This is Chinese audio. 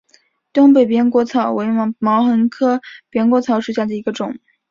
东北扁果草为毛茛科扁果草属下的一个种。